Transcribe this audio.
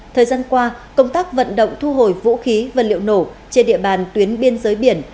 thời gian qua công tác vận động thu hồi vũ khí vật liệu nổ trên địa bàn tuyến biên giới biển